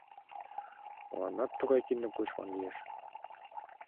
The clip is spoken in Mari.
— Мыланнат тугай киндым кочман лиеш?